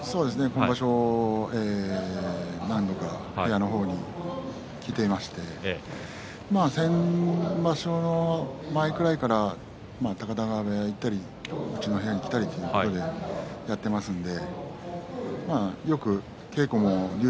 今年、何度か部屋の方に来ていまして先場所の前ぐらいから高田川部屋に行ったりうちの部屋に来たりということでやっていますのでよく稽古も竜